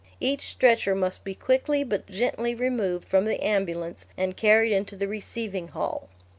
Each stretcher must be quickly but gently removed from the ambulance and carried into the receiving hall.